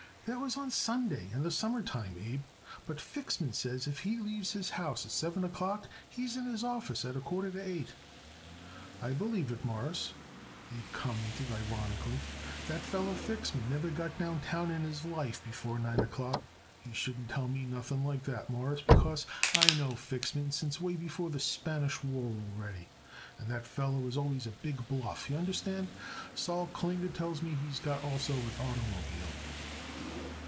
"That was on Sunday and the summer time, Abe, but Fixman says if he leaves his house at seven o'clock, he is in his office at a quarter to eight." "I believe it, Mawruss," Abe commented ironically. "That feller Fixman never got downtown in his life before nine o'clock. He shouldn't tell me nothing like that, Mawruss, because I know Fixman since way before the Spanish war already, and that feller was always a big bluff, y'understand. Sol Klinger tells me he's got also an oitermobile."